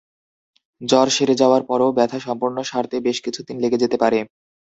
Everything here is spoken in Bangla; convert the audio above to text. জ্বর সেরে যাওয়ার পরও ব্যথা সম্পূর্ণ সারতে বেশ কিছুদিন লেগে যেতে পারে।